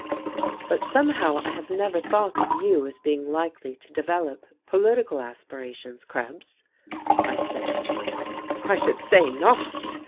"But somehow I have never thought of you as being likely to develop political aspirations, Krebs," I said. "I should say not!